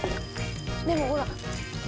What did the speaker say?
でもほら。